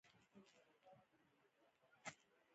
د نجونو تعلیم د ښځو باور زیاتولو لامل دی.